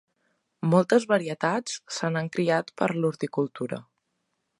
Moltes varietats se n'han criat per a l'horticultura.